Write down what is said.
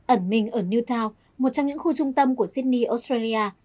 ẩn minh ở newtown một trong những khu trung tâm của sydney australia